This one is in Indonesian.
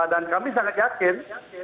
dan kami sangat yakin